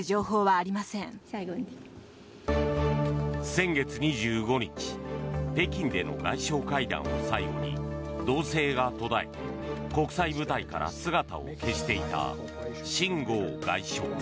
先月２５日北京での外相会談を最後に動静が途絶え、国際舞台から姿を消していたシン・ゴウ外相。